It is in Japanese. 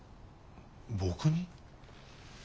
僕に？